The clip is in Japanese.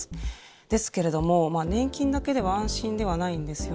ですけれどもまあ年金だけでは安心ではないんですよね。